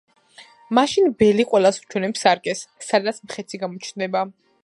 მაშინ ბელი ყველას უჩვენებს სარკეს, სადაც მხეცი გამოჩნდება.